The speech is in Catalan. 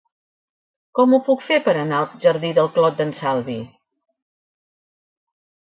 Com ho puc fer per anar al jardí del Clot d'en Salvi?